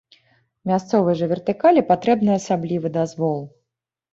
Мясцовай жа вертыкалі патрэбны асаблівы дазвол.